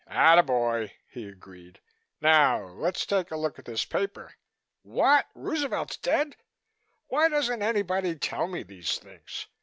"Attaboy!" he agreed. "Now let's take a look at this paper.... What? Roosevelt's dead? Why doesn't anybody tell me these things?